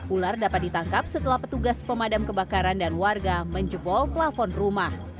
ular dapat ditangkap setelah petugas pemadam kebakaran dan warga menjebol plafon rumah